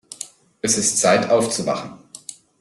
Es ist Zeit, aufzuwachen.